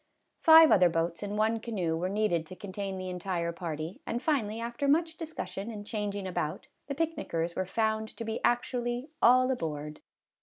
Five other boats and one canoe were needed to contain the entire party, and finally, after much dis cussion and changing about, the picnickers were found to be actually " all aboard."